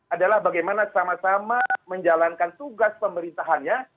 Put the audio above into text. adalah bagaimana sama sama menjalankan tugas pemerintahannya